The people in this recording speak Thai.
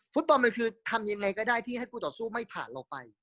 ฟุตบอลมันคือทำยังไงก็ได้ที่ให้คู่ต่อสู้ไม่ผ่านเราไป